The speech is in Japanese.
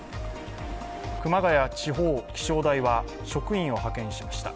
熊谷地方気象台は職員を派遣しました。